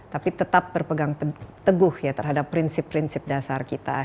tapi tetap berpegang teguh ya terhadap prinsip prinsip dasar kita